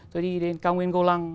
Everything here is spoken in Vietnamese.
tôi đi đến cao nguyên golang